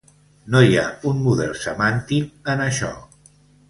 No hi ha un model semàntic en això.